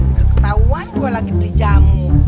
itu ketahuan gue lagi beli jamu